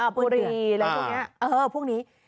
ปุรีอะไรพวกนี้